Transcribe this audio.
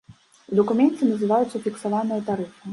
У дакуменце называюцца фіксаваныя тарыфы.